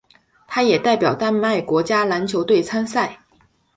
他也代表丹麦国家篮球队参赛。